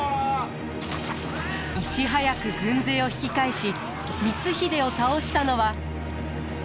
いち早く軍勢を引き返し光秀を倒したのは。